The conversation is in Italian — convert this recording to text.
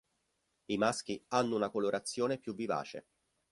I maschi hanno una colorazione più vivace.